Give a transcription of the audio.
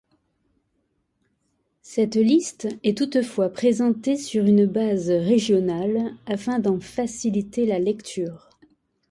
Cette liste est toutefois présentée sur une base régionale afin d'en faciliter la lecture.